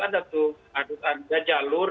ada tuh ada jalur